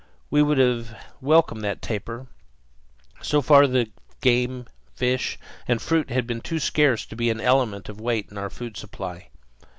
We would have welcomed that tapir. So far the game, fish, and fruit had been too scarce to be an element of weight in our food supply.